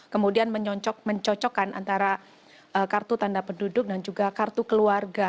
kemudian mencocokkan antara kartu tanda penduduk dan juga kartu keluarga